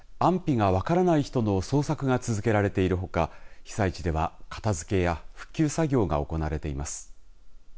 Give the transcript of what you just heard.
安否が分からない人の捜索が続けられているほか被災地では、片づけや復旧作業が行われています。